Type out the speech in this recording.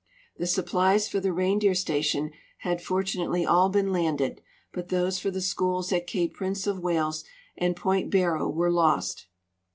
The supplies for the reindeer station had fortunately all been landed, but those for the schools at cape Prince of W'ales and point BarroAV Avere lost.